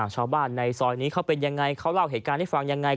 ชาวบ้านในซอยนี้เขาเป็นยังไงเขาเล่าเหตุการณ์ให้ฟังยังไง